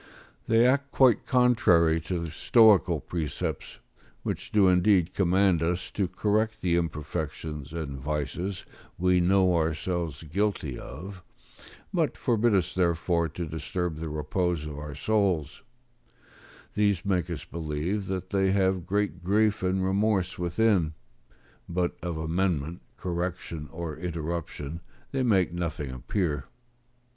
They act quite contrary to the stoical precepts, who do indeed command us to correct the imperfections and vices we know ourselves guilty of, but forbid us therefore to disturb the repose of our souls: these make us believe that they have great grief and remorse within: but of amendment, correction, or interruption, they make nothing appear.